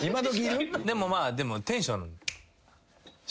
でもまあテンション。